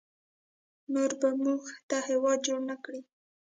نور به موږ ته هیواد جوړ نکړي